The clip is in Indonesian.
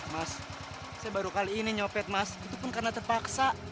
mas saya baru kali ini nyopet mas itu pun karena terpaksa